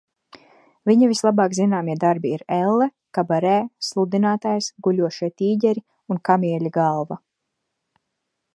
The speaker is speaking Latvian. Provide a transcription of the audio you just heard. "Viņa vislabāk zināmie darbi ir "Elle", "Kabarē", "Sludinātājs", "Guļošie tīģeri" un "Kamieļa galva"."